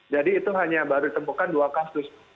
jadi itu hanya baru ditemukan dua kasus